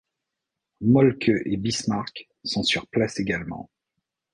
Molke et Bismarck sont sur place également.